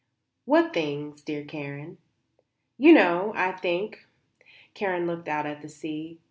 "What things, dear Karen?" "You know, I think." Karen looked out at the sea.